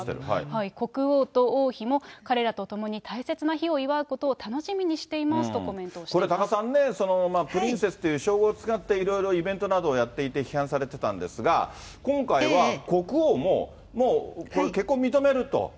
国王と王妃も、彼らと共に大切な日を祝うことを楽しみにしていますとコメントをこれ多賀さんね、プリンセスという称号を使っていろいろイベントなどをやっていて批判されていたんですが、今回は国王も、もうこれ、結婚認めると。